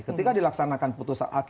ketika dilaksanakan putusan hakim